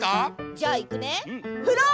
じゃあいくね。